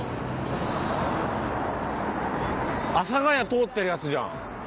阿佐谷通ってるやつじゃん。